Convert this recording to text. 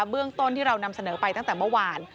เรื่องต้นที่เรานำเสนอไปตั้งแต่เมื่อวาน